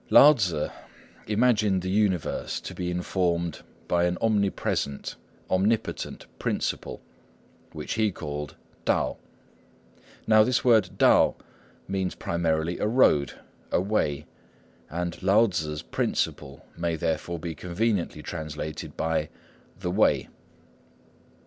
Lao Tzŭ imagined the universe to be informed by an omnipresent, omnipotent Principle, which he called Tao. Now this word Tao means primarily "a road," "a way"; and Lao Tzŭ's Principle may therefore be conveniently translated by "the Way."